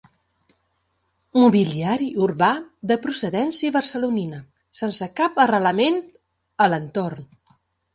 Mobiliari urbà, de procedència barcelonina, sense cap arrelament a l'entorn.